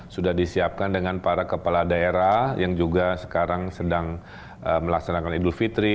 sudah disiapkan dengan para kepala daerah yang juga sekarang sedang melaksanakan idul fitri